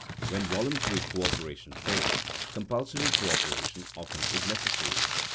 Where voluntary coöperation fails, compulsory coöperation often is necessary.